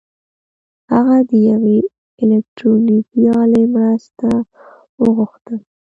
هغه د يوې الکټرونيکي الې مرسته وغوښته.